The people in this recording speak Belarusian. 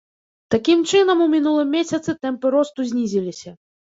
Такім чынам у мінулым месяцы тэмпы росту знізіліся.